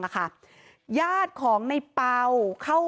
กลุ่มวัยรุ่นฝั่งพระแดง